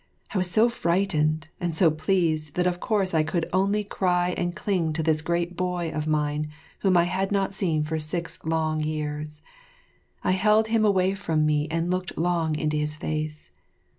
I was so frightened and so pleased that of course I could only cry and cling to this great boy of mine whom I had not seen for six long years. I held him away from me and looked long into his face.